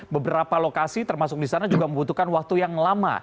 beberapa lokasi termasuk di sana juga membutuhkan waktu yang lama